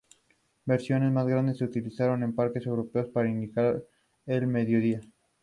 Versiones más grandes se utilizaron en parques europeos para indicar el mediodía.